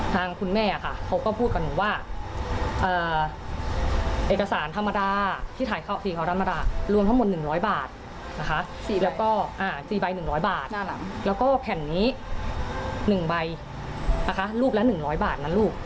แต่แม่ลดให้หนึ่งหนึ่งลูกก็เหลือ๔๐๐บาท